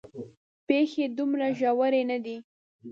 پېښې دومره ژورې نه دي.